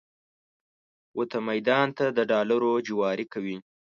ووته میدان ته د ډالرو جواري کوي